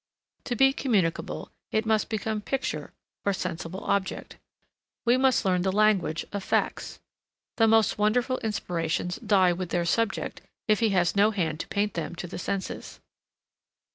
To be communicable it must become picture or sensible object. We must learn the language of facts. The most wonderful inspirations die with their subject if he has no hand to paint them to the senses.